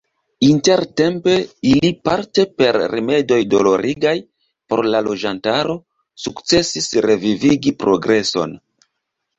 Intertempe ili – parte per rimedoj dolorigaj por la loĝantaro – sukcesis revivigi progreson.